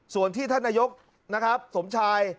ส่วนที่ท่านนายกนะครับสมชาย